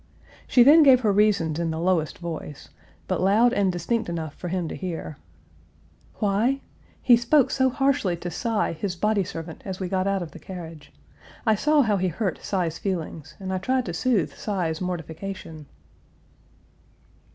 She then gave her reasons in the lowest voice, but loud and distinct enough for him to hear: "Why? He spoke so harshly to Cy, his body servant, as we got out of the carriage. I saw how he hurt Cy's feelings, and I tried to soothe Cy's mortification."